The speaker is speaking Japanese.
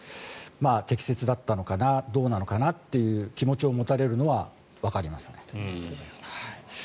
適切だったのかなどうなのかなという気持ちを持たれるのはわかりますね。